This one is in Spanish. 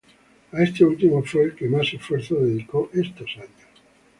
A este último fue al que más esfuerzos dedicó estos años.